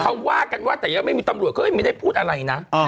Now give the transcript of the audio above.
เค้าว่ากันว่าแต่ยังไม่ตำรวจก็ไม่ได้พูดอะไรนที่นะ